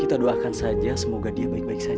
kita doakan saja semoga dia baik baik saja